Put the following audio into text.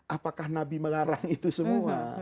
apakah nabi melarang itu semua